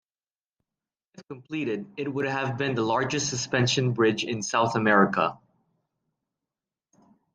If completed, it would have been the largest suspension bridge in South America.